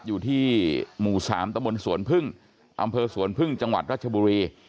อยู่ที่หมู่๓ตะบนสวนพึ่งอำเภอสวนพึ่งจังหวัดรัชบุรี